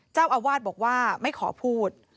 เจ้าอาวาสบอกว่าไม่ขอพูด